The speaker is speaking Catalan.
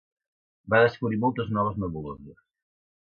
Va descobrir moltes noves nebuloses.